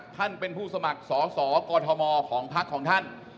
ท่านเป็นผู้สมัครสอสอกอทมของพักของท่าน